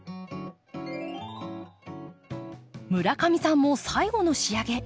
村上さんも最後の仕上げ。